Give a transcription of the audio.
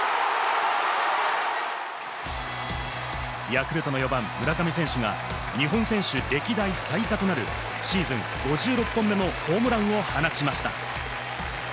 ヤクルトの４番・村上選手が日本選手歴代最多となるシーズン５６本目のホームランを放ちました。